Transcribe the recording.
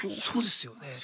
そうですよね。